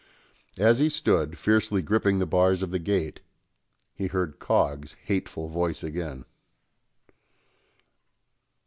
As he stood, fiercely gripping the bars of the gate, he heard Coggs' hateful voice again.